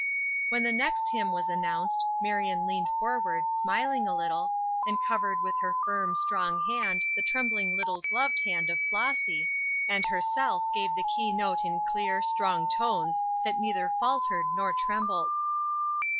When the next hymn was announced, Marion leaned forward, smiling a little, and covered with her firm, strong hand the trembling little gloved hand of Flossy, and herself gave the key note in clear, strong tones that neither faltered nor trembled.